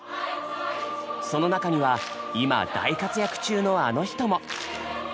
その中には今大活躍中のあの人も！